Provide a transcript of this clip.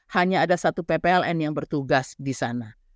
hanya ada satu ppln yang bertugas disana